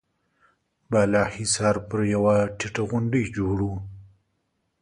بالا حصار پر يوه ټيټه غونډۍ جوړ و.